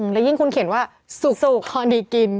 และยิ่งคุณเขียนว่าสุกพอดีกิน